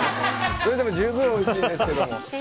それでも十分おいしいですけど。